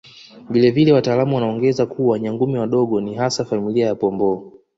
Vile vile wataalamu wanaongeza kuwa Nyangumi wadogo ni hasa familia ya Pomboo